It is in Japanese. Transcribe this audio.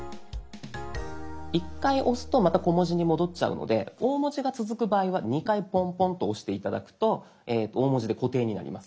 １回押すとまた小文字に戻っちゃうので大文字が続く場合は２回ポンポンと押して頂くと大文字で固定になります。